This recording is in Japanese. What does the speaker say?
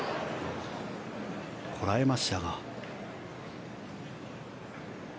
こらえましたが。